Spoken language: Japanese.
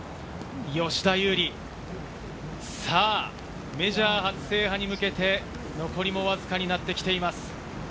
吉田優利、メジャー初制覇に向けて、残りもわずかになってきています。